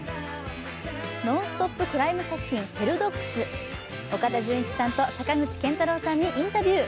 ノンストップクライムサスペンス「ヘルドッグス」岡田准一さんと坂口健太郎さんにインタビュー。